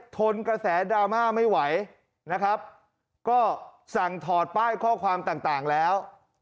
ทนกระแสดราม่าไม่ไหวนะครับก็สั่งถอดป้ายข้อความต่างแล้ว